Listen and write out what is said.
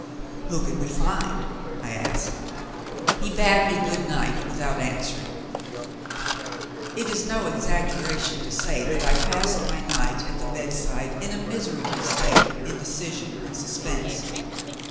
"Who can we find?" I asked. He bade me good night without answering. It is no exaggeration to say that I passed my night at the bedside in a miserable state of indecision and suspense.